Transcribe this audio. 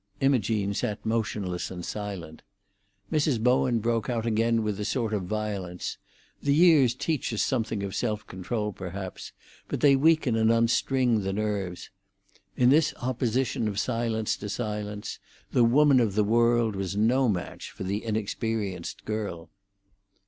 Imogene sat motionless and silent. Mrs. Bowen broke out again with a sort of violence; the years teach us something of self control, perhaps, but they weaken and unstring the nerves. In this opposition of silence to silence, the woman of the world was no match for the inexperienced girl.